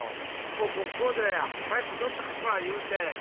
こうこうこうで早く乗ったからいうて。